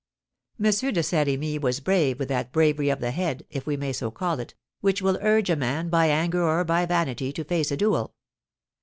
M. de Saint Remy was brave with that bravery of the head, if we may so call it, which will urge a man, by anger or by vanity, to face a duel.